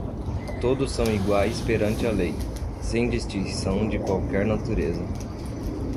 Todos são iguais perante a lei, sem distinção de qualquer natureza